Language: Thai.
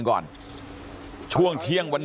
บอกแล้วบอกแล้วบอกแล้ว